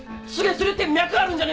それって脈あるんじゃねえのか！？